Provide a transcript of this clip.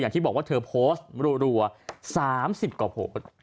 อย่างที่บอกว่าเธอโพสต์รัว๓๐กว่าโพสต์